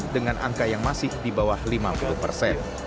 dengan angka yang masih di bawah lima puluh persen